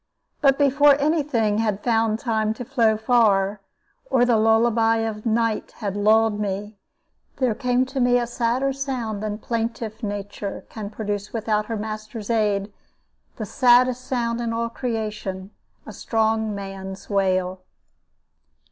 But before any thing had found time to flow far, or the lullaby of night had lulled me, there came to me a sadder sound than plaintive Nature can produce without her Master's aid, the saddest sound in all creation a strong man's wail.